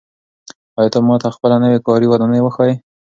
آیا ته به ماته خپله نوې کاري ودانۍ وښایې؟